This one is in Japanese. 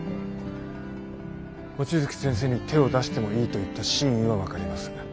望月先生に手を出してもいいと言った真意は分かります。